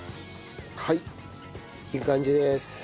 はいいい感じです。